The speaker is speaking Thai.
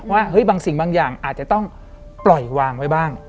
ว่าบางสิ่งบางอย่างอาจจะต้องปล่อยวางไว้บ้าง